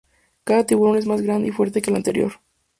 Cada tiburón es más grande y fuerte que el anterior.